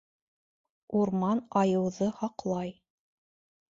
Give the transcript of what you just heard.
Урман айыуҙы һаҡлай.